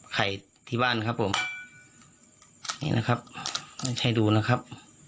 ไข่ที่บ้านครับผมนี่นะครับไม่ใช่ดูนะครับ